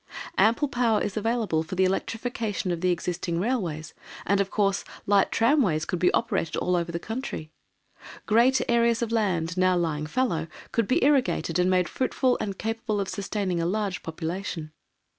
Ample power is available for the electrification of the existing railways, and, of course, light tramways could be operated all over the country. Great areas of land now lying fallow could be irrigated and made fruitful and capable of sustaining a large population.